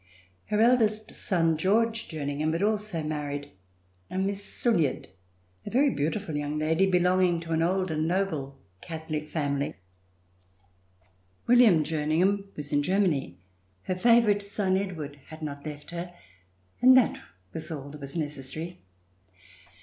Her eldest son, George Jerningham, had also C302] RETURN TO PARIS married a Miss Sulyard, a very beautiful young lady belonging to an old and noble Catholic family. William Jerningham was in Germany. Her favorite son, Edward, had not left her, and that was all that was necessary.